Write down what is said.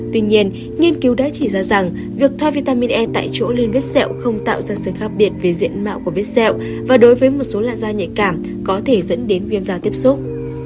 tuy nhiên nghiên cứu đã chỉ ra rằng việc thavitamin e tại chỗ liên kết sẹo không tạo ra sự khác biệt về diện mạo của vết sẹo và đối với một số làn da nhạy cảm có thể dẫn đến viêm da tiếp xúc